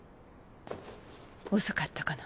遅かったかな。